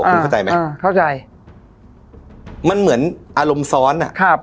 คุณเข้าใจไหมอ่าเข้าใจมันเหมือนอารมณ์ซ้อนอ่ะครับ